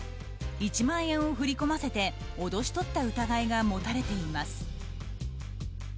１万円を振り込ませて脅し取った疑いが持たれています。